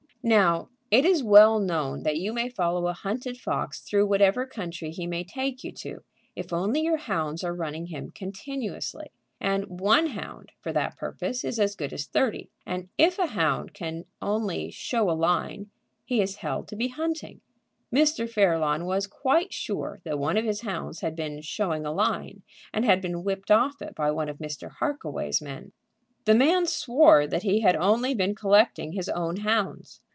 Now, it is well known that you may follow a hunted fox through whatever country he may take you to, if only your hounds are hunting him continuously. And one hound for that purpose is as good as thirty, and if a hound can only "show a line" he is held to be hunting. Mr. Fairlawn was quite sure that one of his hounds had been showing a line, and had been whipped off it by one of Mr. Harkaway's men. The man swore that he had only been collecting his own hounds.